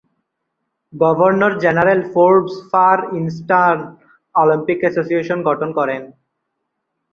Governor general Forbes Far Eastern Olympic Association গঠন করেন।